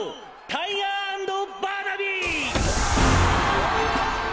タイガー＆バーナビー！！